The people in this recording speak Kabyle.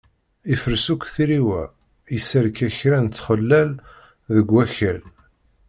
Ifres akk tiriwa, yesserka kra n txellal deg wakal.